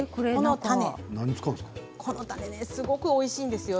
この種すごくおいしんですよ